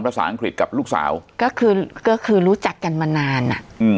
ภาษาอังกฤษกับลูกสาวก็คือก็คือรู้จักกันมานานอ่ะอืม